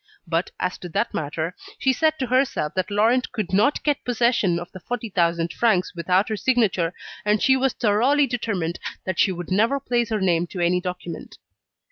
But as to that matter, she said to herself that Laurent could not get possession of the 40,000 francs without her signature, and she was thoroughly determined that she would never place her name to any document.